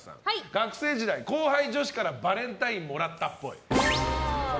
学生時代、後輩女性からバレンタインもらったっぽい。